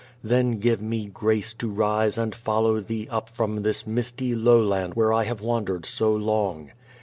Then give me grace to rise and follow Thee up from this misty lowland where I have wandered so long.